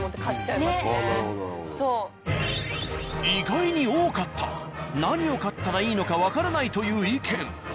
意外に多かった何を買ったらいいのかわからないという意見。